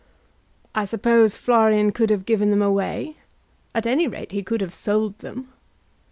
"I suppose Florian could have given them away. At any rate he could have sold them."